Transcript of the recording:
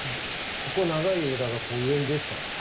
ここ長い枝が上に出てたんです。